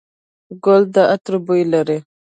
ګل د عطر بوی لري.